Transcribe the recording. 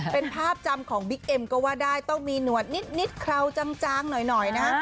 เป็นภาพจำของบิ๊กเอ็มก็ว่าได้ต้องมีหนวดนิดเคราจางหน่อยนะ